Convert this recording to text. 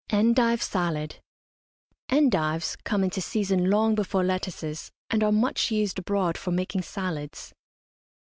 ENDIVE SALAD. Endives come into season long before lettuces, and are much used abroad for making salads.